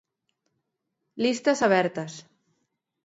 Listas abertas.